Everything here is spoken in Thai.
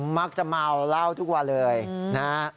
มักจะเมาเหล้าทุกวันเลยนะฮะ